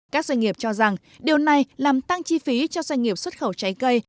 các doanh nghiệp cho rằng điều này làm tăng chi phí cho doanh nghiệp xuất khẩu trái cây